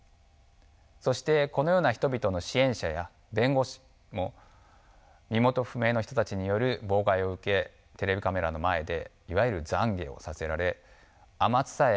そしてこのような人々の支援者や弁護士も身元不明の人たちによる妨害を受けテレビカメラの前でいわゆるざんげをさせられあまつさえ